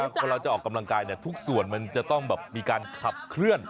เวลาเราจะออกกำลังกายเนี่ยทุกส่วนมันจะต้องมีการขับเคลื่อน